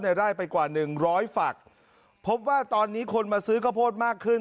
ได้ไปกว่าหนึ่งร้อยฝักพบว่าตอนนี้คนมาซื้อข้าวโพดมากขึ้น